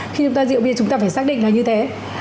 khi chúng ta rượu bia chúng ta phải xác định là như thế